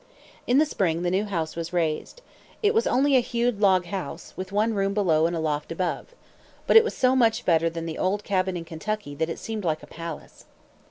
In the spring the new house was raised. It was only a hewed log house, with one room below and a loft above. But it was so much better than the old cabin in Kentucky that it seemed like a palace.